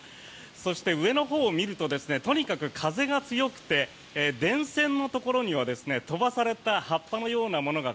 そして、上のほうを見るととにかく風が強くて電線のところには飛ばされた葉っぱのようなものが